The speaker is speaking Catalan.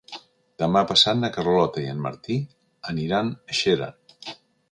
Demà passat na Carlota i en Martí aniran a Xera.